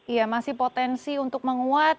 iya masih potensi untuk menguat